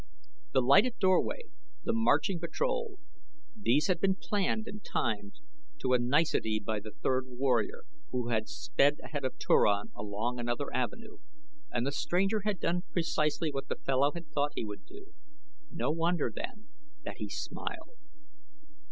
The lighted doorway, the marching patrol these had been planned and timed to a nicety by the third warrior who had sped ahead of Turan along another avenue, and the stranger had done precisely what the fellow had thought he would do no wonder, then, that he smiled.